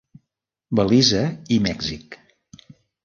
Belize i Mèxic.